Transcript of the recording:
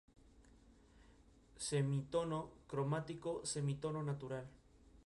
Semitono cromático semitono natural